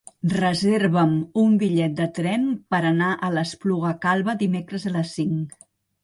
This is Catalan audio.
Reserva'm un bitllet de tren per anar a l'Espluga Calba dimecres a les cinc.